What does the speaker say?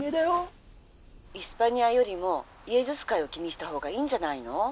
「イスパニアよりもイエズス会を気にしたほうがいいんじゃないの？